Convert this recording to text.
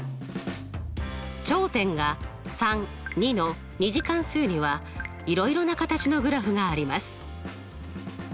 頂点がの２次関数にはいろいろな形のグラフがあります。